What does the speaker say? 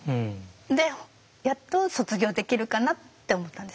でやっと卒業できるかなって思ったんです。